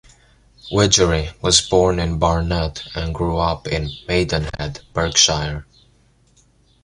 Widgery was born in Barnet and grew up in Maidenhead, Berkshire.